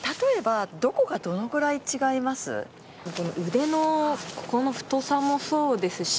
腕のここの太さもそうですし。